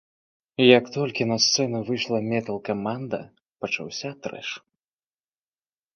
Як толькі на сцэну выйшла метал-каманда пачаўся трэш!